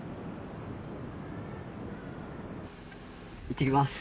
いってきます。